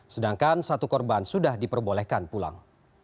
sedangkan satu korban sudah diperbolehkan pulang